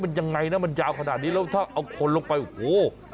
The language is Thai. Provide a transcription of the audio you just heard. มันยังไงนะมันยาวขนาดนี้แล้วถ้าเอาคนลงไปโอ้โห